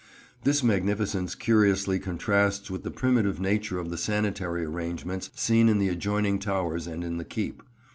This magnificence curiously contrasts with the primitive nature of the sanitary arrangements seen in the adjoining towers and in the keep.